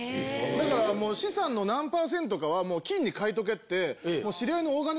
だからもう資産の何％かは金に換えとけって。